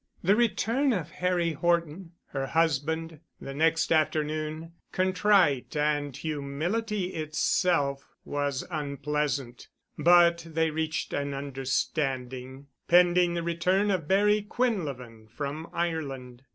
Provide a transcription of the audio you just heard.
The return of Harry Horton, her husband, the next afternoon, contrite and humility itself, was unpleasant, but they reached an understanding, pending the return of Barry Quinlevin from Ireland.